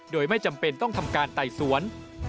โดยไม่จำเป็นต้องทำการไต่สวน